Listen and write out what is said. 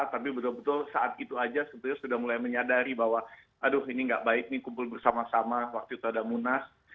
tapi betul betul saat itu aja sebetulnya sudah mulai menyadari bahwa aduh ini gak baik nih kumpul bersama sama waktu itu ada munas